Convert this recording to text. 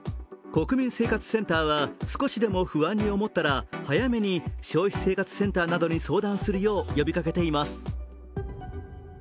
国民生活センターは少しでも不安に思ったら早めに消費生活センターなどに相談するよう呼びかけています。